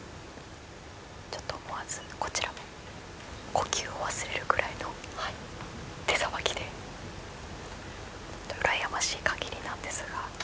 思わずこちらも呼吸を忘れるくらいの手さばきでうらやましい限りなんですが。